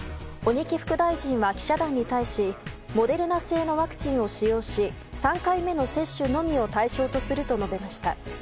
鬼木副大臣は記者団に対しモデルナ製のワクチンを使用し３回目の接種のみを対象とすると述べました。